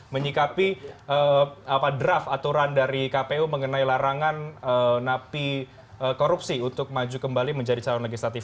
menyikapi draft aturan dari kpu mengenai larangan napi korupsi untuk maju kembali menjadi calon legislatif